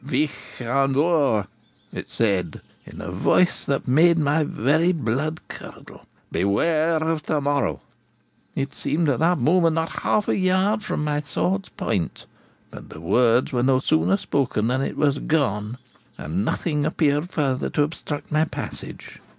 "Vich Ian Vohr," it said, in a voice that made my very blood curdle, "beware of to morrow!" It seemed at that moment not half a yard from my sword's point; but the words were no sooner spoken than it was gone, and nothing appeared further to obstruct my passage.